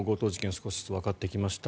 少しずつわかってきました。